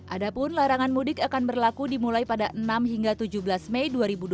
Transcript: adapun larangan mudik akan berlaku dimulai pada enam hingga tujuh belas mei dua ribu dua puluh